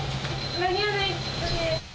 間に合わないので。